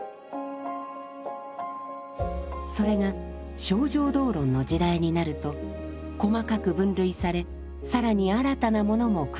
それが「清浄道論」の時代になると細かく分類され更に新たなものも加わります。